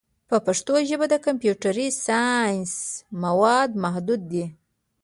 په پښتو ژبه د کمپیوټري ساینس مواد محدود دي.